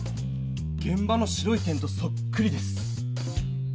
げん場の白い点とそっくりです！